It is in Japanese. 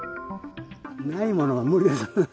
ないものは無理。